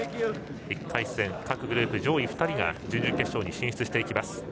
１回戦、各グループ上位２人が準々決勝に進出していきます。